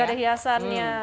gak ada hiasannya